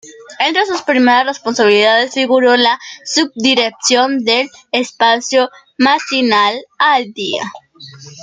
Entre sus primeras responsabilidades figuró la subdirección del espacio matinal "Al día".